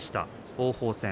王鵬戦。